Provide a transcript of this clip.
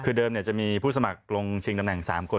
คือเดิมจะมีผู้สมัครลงชิงตำแหน่ง๓คน